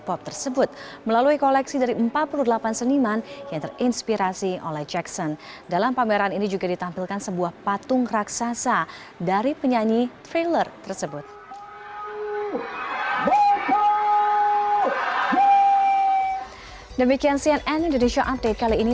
pameran ini akan memperkenalkan seni dengan mengeksplorasi kehidupan bintang